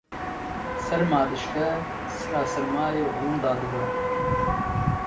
serma dişkê, sirra sermayê wenda dibe